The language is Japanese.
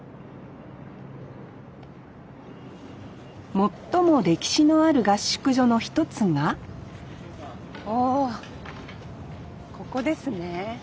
最も歴史のある合宿所の一つがあここですね。